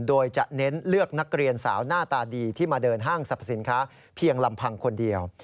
โดยจะเน้นเลือกนักเรียนสาวหน้าตาดีที่มาเดินห้างสรรพสินค้าเพียงลำพังคนเดียว